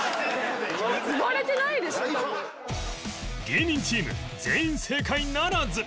芸人チーム全員正解ならず！